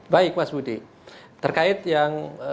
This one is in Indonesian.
baik mas budi terkait yang